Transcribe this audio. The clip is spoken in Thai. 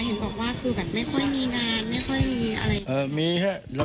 เห็นบอกว่าคือแบบไม่ค่อยมีงานไม่ค่อยมีอะไร